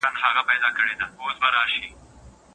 را رواني به وي ډلي د ښایستو مستو کوچیو